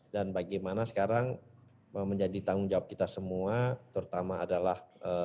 bagaimana sekarang menjadi tanggung jawab kita semua terutama adalah